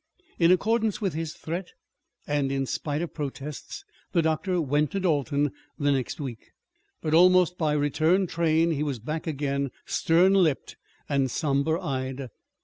In accordance with his threat, and in spite of protests, the doctor went to Dalton the next week. But almost by return train he was back again, stern lipped and somber eyed.